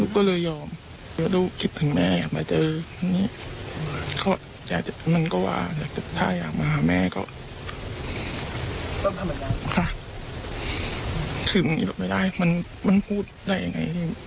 คือมันไม่ได้มันพูดได้ยังไง